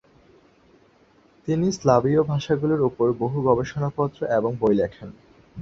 তিনি স্লাভীয় ভাষাগুলির উপর বহু গবেষণাপত্র এবং বই লেখেন।